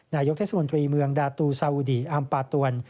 นายกเทศมนตรีเมืองดาตูซาอุดีอามปาตวน